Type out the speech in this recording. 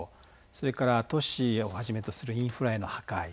それから都市をはじめとするインフラへの破壊。